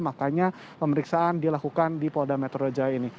makanya pemeriksaan dilakukan di polda metro jaya ini